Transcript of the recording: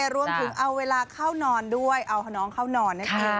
รวมถึงเอาเวลาเข้านอนด้วยเอาน้องเข้านอนนั่นเอง